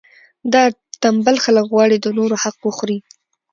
دا ټنبل خلک غواړي د نورو حق وخوري.